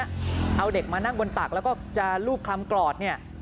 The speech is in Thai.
ช่วยแต่คนนี้เอาเด็กมานั่งบนตักแล้วก็จะลูบคลามกรอบเนี้ย